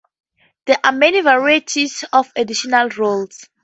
There are many varieties of additional rules.